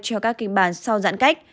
cho các kinh bản sau giãn cách